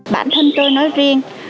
bản thân tôi nói riêng